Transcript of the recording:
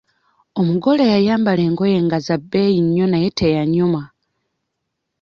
Omugole yayambala engoye nga za bbeeyi nnyo naye teyanyuma.